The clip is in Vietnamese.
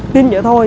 tin vậy thôi